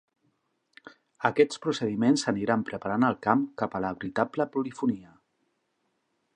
Aquests procediments aniran preparant el camp cap a la veritable polifonia.